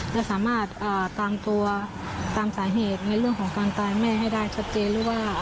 จะสามารถตามตัวตามสาเหตุในเรื่องของการตายแม่ให้ได้ชัดเจนหรือว่า